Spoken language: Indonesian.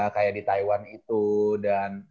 kayak di taiwan itu dan